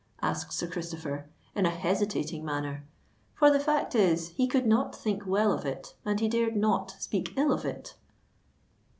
asked Sir Christopher, in a hesitating manner; for the fact is, he could not think well of it, and he dared not speak ill of it.